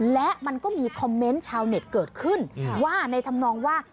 และมันก็มีคอมเมนต์ชาวเน็ตเกิดขึ้นว่าในธรรมนองว่า